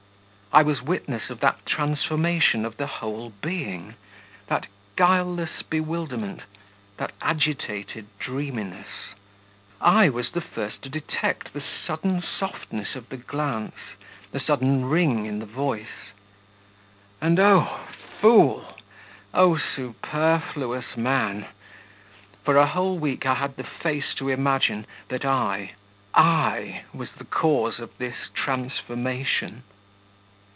I was witness of that transformation of the whole being, that guileless bewilderment, that agitated dreaminess; I was the first to detect the sudden softness of the glance, the sudden ring in the voice and oh, fool! oh, superfluous man! For a whole week I had the face to imagine that I, I was the cause of this transformation!